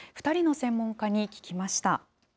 ２人の専門家に聞きました。